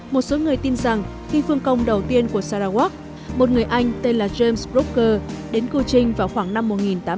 một số người tin rằng khi phương công đầu tiên của sarawak một người anh tên là james broker đến kuching vào khoảng năm một nghìn tám trăm ba mươi chín